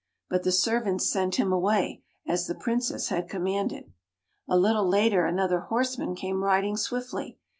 But the servants sent him away, as the Princess had commanded. A little later another horseman came rid ing swiftly.